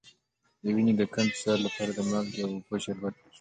د وینې د کم فشار لپاره د مالګې او اوبو شربت وڅښئ